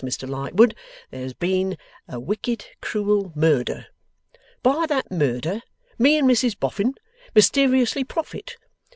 Mr Lightwood, here has been a wicked cruel murder. By that murder me and Mrs Boffin mysteriously profit.